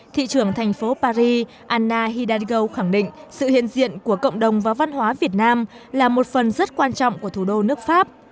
thị trưởng thành phố paris anna hidarigo khẳng định sự hiện diện của cộng đồng và văn hóa việt nam là một phần rất quan trọng của thủ đô nước pháp